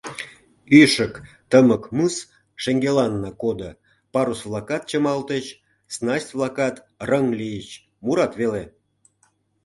Ӱшык, тымык мыс шеҥгеланна кодо, парус-влакат чымалтыч, снасть-влакат рыҥ лийыч, мурат веле.